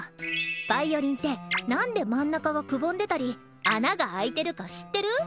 ヴァイオリンってなんで真ん中がくぼんでたり穴が開いてるか知ってる？